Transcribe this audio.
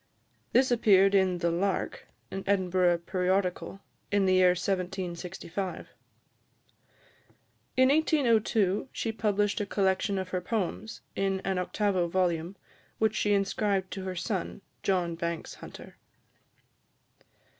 This appeared in the Lark, an Edinburgh periodical, in the year 1765. In 1802, she published a collection of her poems, in an octavo volume, which she inscribed to her son, John Banks Hunter.